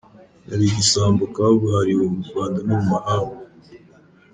Nari igisambo kabuhariwe mu Rwanda no mu mahanga.